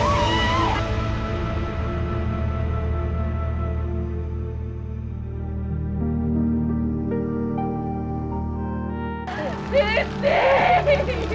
tetangga tetangga tetangga